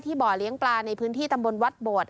บ่อเลี้ยงปลาในพื้นที่ตำบลวัดโบด